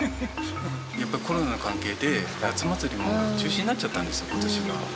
やっぱりコロナの関係で夏祭りも中止になっちゃったんです今年は。